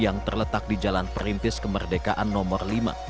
yang terletak di jalan perintis kemerdekaan nomor lima